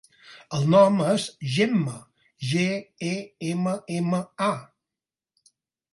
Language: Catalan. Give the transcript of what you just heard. El nom és Gemma: ge, e, ema, ema, a.